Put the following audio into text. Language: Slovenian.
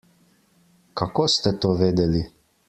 Kako ste to vedeli?